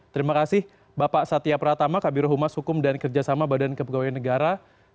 terima kasih bapak satya pratama kabir huma sukum dan kerjasama badan kepegawaian negara